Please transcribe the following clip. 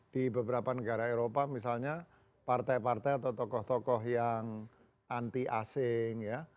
di beberapa negara eropa misalnya partai partai atau tokoh tokoh yang anti asing ya